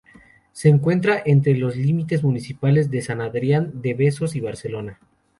Se encuentra entre los límites municipales de San Adrián de Besós y Barcelona.